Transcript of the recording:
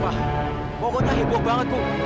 wah pokoknya heboh banget tuh